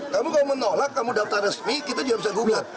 kamu kalau menolak kamu daftar resmi kita juga bisa gugat